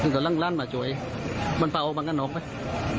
ถึงก็ลั่นมาจ่วยมันป่าโอ้บังกันออกไหม